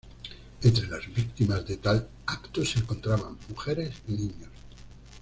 Entre las víctimas de tal acto se encontraban mujeres y niños.